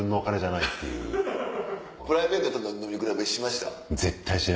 プライベートやったら飲み比べしました？